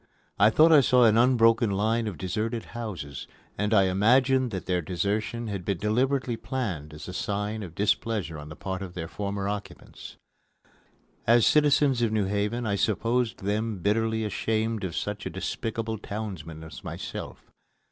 I thought I saw an unbroken line of deserted houses, and I imagined that their desertion had been deliberately planned as a sign of displeasure on the part of their former occupants. As citizens of New Haven, I supposed them bitterly ashamed of such a despicable townsman as myself.